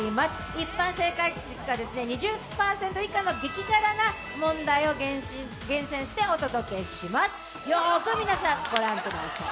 一般正解率が２０％以下の激辛な問題を厳選してお届けします、よーく皆さんご覧ください。